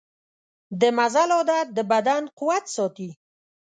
د مزل عادت د بدن قوت ساتي.